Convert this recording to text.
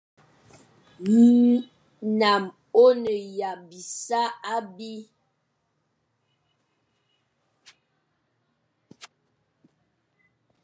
Nnam o ne ya bisa abi.